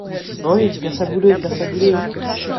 Ohé ! père Sabouleux ! père Sabouleux !